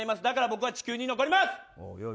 だから僕は地球に残ります！